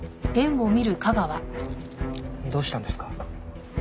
どうしたんですか？